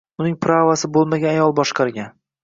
Uni “prava”si bo‘lmagan ayol boshqargan